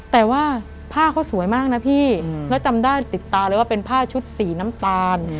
แต่ว่าผ้าเขาสวยมากนะพี่แล้วจำได้ติดตาเลยว่าเป็นผ้าชุดสีน้ำตาล